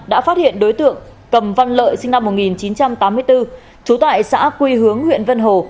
đã phát hiện đối tượng cầm văn lợi sinh năm một nghìn chín trăm tám mươi bốn trú tại xã quy hướng huyện vân hồ